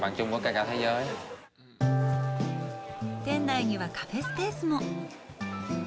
店内には、カフェスペースも。